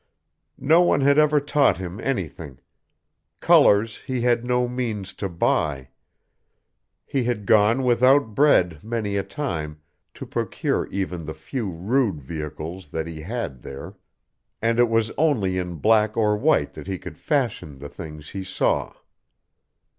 No one had ever taught him anything; colors he had no means to buy; he had gone without bread many a time to procure even the few rude vehicles that he had here; and it was only in black or white that he could fashion the things he saw.